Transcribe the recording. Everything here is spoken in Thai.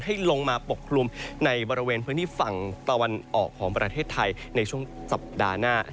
ให้ลงมาปกคลุมในบริเวณพื้นที่ฝั่งตะวันออกของประเทศไทยในช่วงสัปดาห์หน้า